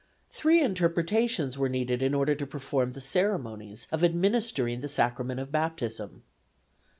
Three interpretations were needed in order to perform the ceremonies of administering the Sacrament of Baptism.